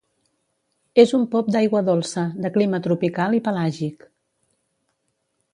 És un pop d'aigua dolça, de clima tropical i pelàgic.